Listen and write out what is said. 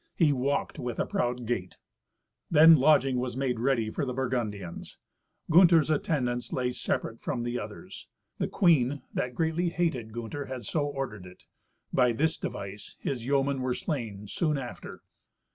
He walked with a proud gait. Then lodging was made ready for the Burgundians. Gunther's attendants lay separate from the others. The queen, that greatly hated Gunther, had so ordered it. By this device his yeomen were slain soon after.